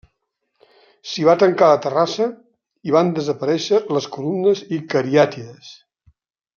S'hi va tancar la terrassa i van desaparèixer les columnes i cariàtides.